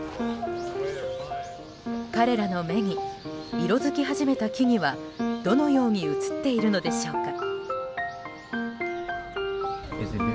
彼らの目に色づき始めた木々はどのように映っているのでしょうか。